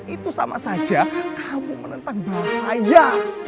itu sama saja kamu menentang bahaya